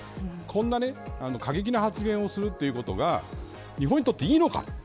こんな過激な発言をするということが日本にとっていいのか。